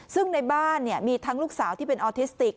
ซึ่งในบ้านมีทั้งลูกสาวที่เป็นออทิสติก